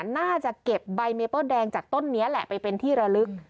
น่าจะเก็บใบเมเปิ้ลแดงจากต้นนี้แหละไปเป็นที่ระลึก